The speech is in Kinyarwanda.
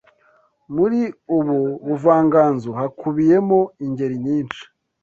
Muri ubu buvanganzo hakubiyemo ingeri nyinshi